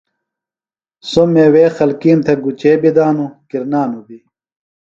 سو میوے خلکیم تھےۡ گُچے بی دانو، کرنانو بی۔